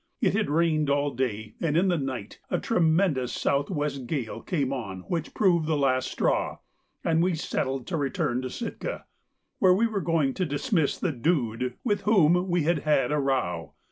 It had rained all day, and in the night a tremendous south west gale came on which proved the last straw, and we settled to return to Sitka, where we were going to dismiss the Dude, with whom we had had a row.